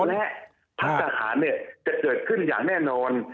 และพักทหารจะเกิดขึ้นอย่างแน่นอน